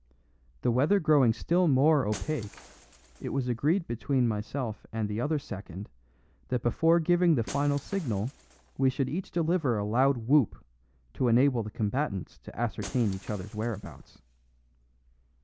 The weather growing still more opaque, it was agreed between myself and the other second that before giving the fatal signal we should each deliver a loud whoop to enable the combatants to ascertain each other's whereabouts.